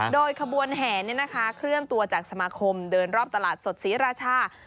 โดยขบวนแห่เคลื่อนตัวจากสมาคมเดินรอบตลาดสดศรีราชา